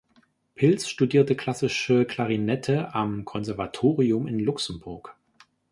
Pilz studierte klassische Klarinette am Konservatorium in Luxemburg.